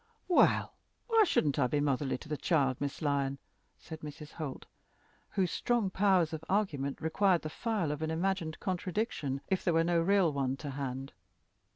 "Well, why shouldn't I be motherly to the child, Miss Lyon?" said Mrs. Holt, whose strong powers of argument required the file of an imagined contradiction, if there were no real one at hand.